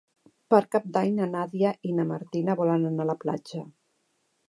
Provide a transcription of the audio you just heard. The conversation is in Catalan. Per Cap d'Any na Nàdia i na Martina volen anar a la platja.